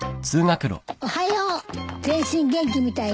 おはよう全身元気みたいね。